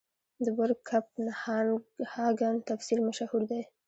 د بور کپنهاګن تفسیر مشهور دی.